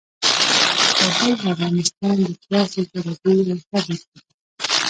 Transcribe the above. کابل د افغانستان د پراخې جغرافیې یوه ښه بېلګه ده.